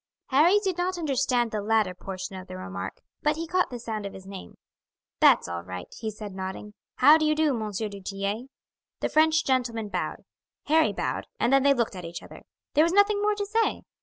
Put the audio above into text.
Harry did not understand the latter portion of the remark, but he caught the sound of his name. "That's all right," he said nodding. "How do you do, M. du Tillet?" The French gentleman bowed; Harry bowed; and then they looked at each other. There was nothing more to say.